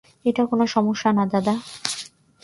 এটা কোনো সমস্যা না, দাদা।